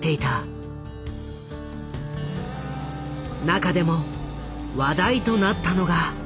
中でも話題となったのが。